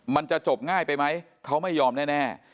มันจะจบง่ายไปไหมเขาไม่ยอมแน่